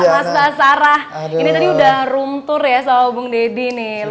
mas basarah ini tadi udah room tour ya sama bung deddy nih